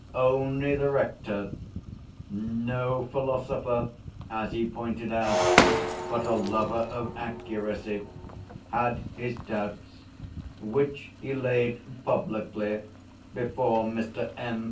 Only the Rector no philosopher as he pointed out, but a lover of accuracy had his doubts, which he laid publicly before Mr. M.